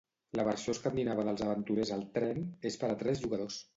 La versió escandinava dels aventurers al tren és per a tres jugadors.